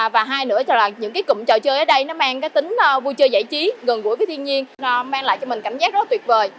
và hai nữa là những cái cụm trò chơi ở đây nó mang cái tính vui chơi giải trí gần gũi với thiên nhiên nó mang lại cho mình cảm giác rất tuyệt vời